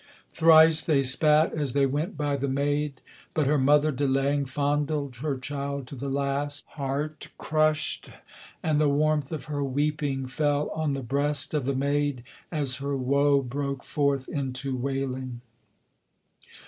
Thrice they spat as they went by the maid: but her mother delaying Fondled her child to the last, heart crushed; and the warmth of her weeping Fell on the breast of the maid, as her woe broke forth into wailing.